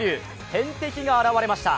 天敵が現れました。